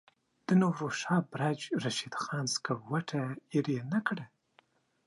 د نوروز شاه برج رشید خان سکروټه ایره نه کړه.